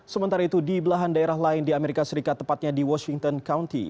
sementara itu di belahan daerah lain di amerika serikat tepatnya di washington county